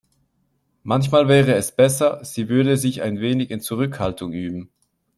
Manchmal wäre es besser, sie würde sich ein wenig in Zurückhaltung üben.